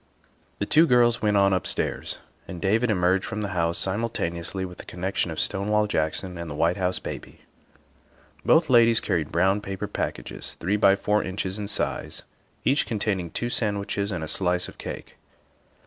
The two girls went on upstairs, and David emerged from the house simultaneously with the connection of Stonewall Jackson and the White House Baby. Both ladies carried brown paper packages three by four inches in size, each containing two sandwiches and a slice of cake.